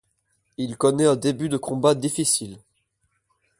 Il connait un début de combat difficile.